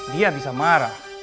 dia bisa marah